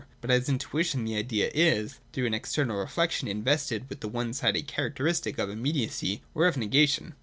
But as intuition the idea is, through an ex ternal ' reflection,' invested with the one sided charac teristic of immediacy, or of negation.